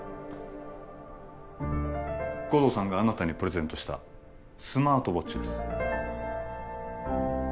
護道さんがあなたにプレゼントしたスマートウォッチです